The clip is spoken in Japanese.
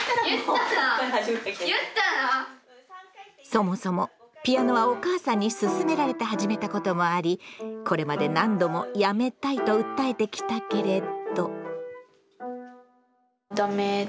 そもそもピアノはお母さんに勧められて始めたこともありこれまで何度もやめたいと訴えてきたけれど。